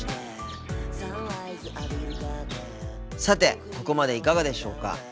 さてここまでいかがでしょうか？